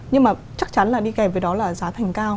nhưng mà chắc chắn là đi kèm với đó là giá thành cao